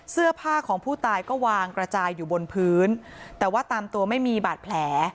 เสื้อผ้าของผู้ตายก็วางกระจายอยู่บนพื้นแต่ว่าตามตัวไม่มีบาดแผล